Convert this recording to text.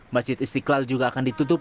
masjid istiqlal juga akan ditutup